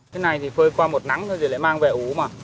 cái này thì phơi qua một nắng rồi lại mang về ủ mà